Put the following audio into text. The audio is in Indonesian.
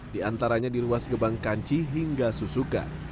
di antaranya di ruas gebang kanci hingga susukan